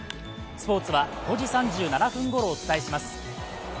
スポーツは５時３７分ごろお伝えします。